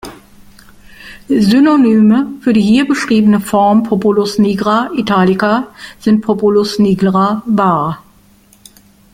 Synonyme für die hier beschriebene Form "Populus nigra" 'Italica' sind "Populus nigra" var.